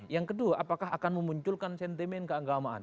yang kedua apakah akan memunculkan sentimen keagamaan